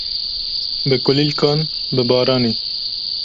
bi kulîlkan, bi baranê.